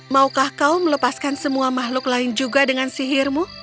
maukah kau melepaskan semua makhluk lain juga dengan sihirmu